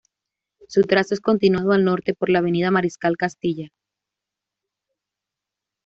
Su trazo es continuado al norte por la avenida Mariscal Castilla.